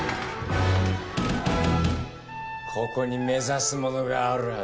ここに目指すものがあるはずだ。